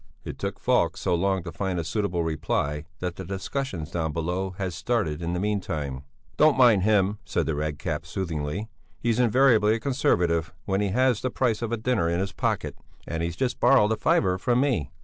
It took Falk so long to find a suitable reply that the discussions down below had started in the meantime. "Don't mind him," said the Red Cap, soothingly; "he's invariably a conservative when he has the price of a dinner in his pocket, and he's just borrowed a fiver from me."